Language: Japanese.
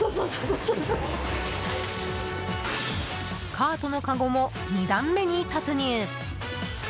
カートのかごも２段目に突入。